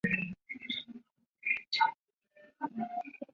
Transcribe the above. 中国肿头吸虫为棘口科肿头属的动物。